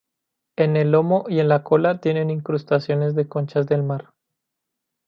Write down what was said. En el lomo y en la cola tienen incrustaciones de conchas del mar.